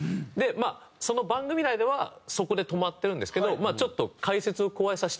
まあその番組内ではそこで止まってるんですけどちょっと解説を加えさせていただくと。